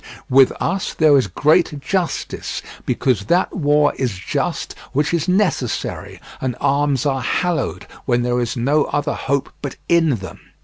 With us there is great justice, because that war is just which is necessary, and arms are hallowed when there is no other hope but in them.